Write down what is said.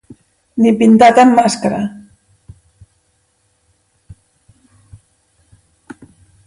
Ni pintat en màscara.